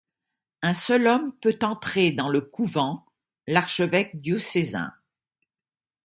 Un seul homme peut entrer dans le couvent, l’archevêque diocésain.